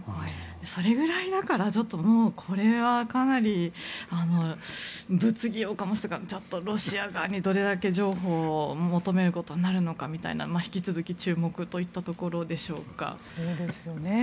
それぐらいこれはかなり物議を醸すというかちょっとロシア側にどれだけ譲歩を求めることになるのか引き続き注目といったところでしょうか。